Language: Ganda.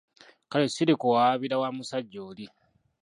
Kale, sirikuwawaabira wa musajja oli.